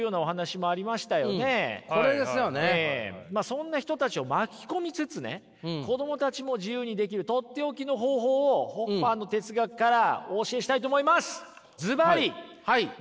そんな人たちを巻き込みつつね子供たちも自由にできる取って置きの方法をホッファーの哲学からお教えしたいと思います！